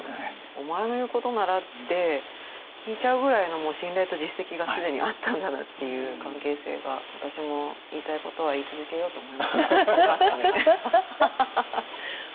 「お前の言うことなら」って聞いちゃうぐらいのもう信頼と実績が既にあったんだなっていう関係性が私も言いたいことは言い続けようと思いましたお義母さんに。